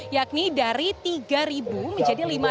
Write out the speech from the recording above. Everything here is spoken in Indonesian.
yakni dari tiga ribu menjadi lima ribu